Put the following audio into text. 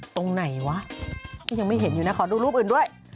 ตรงไหนวะยังไม่เห็นอยู่นะขอดูรูปอื่นด้วย